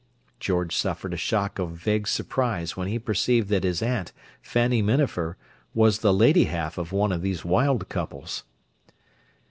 George suffered a shock of vague surprise when he perceived that his aunt, Fanny Minafer, was the lady half of one of these wild couples.